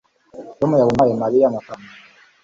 tom yabonye mpaye mariya amafaranga